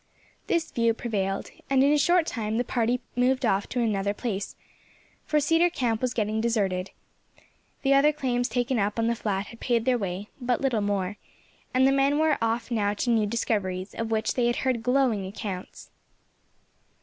This view prevailed, and in a short time the party moved off to another place; for Cedar Camp was getting deserted, the other claims taken up on the flat had paid their way, but little more, and the men were off to new discoveries, of which they had heard glowing accounts.